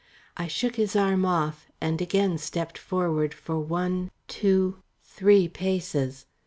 I shook his arm off, and again stepped forward for one, two, three paces.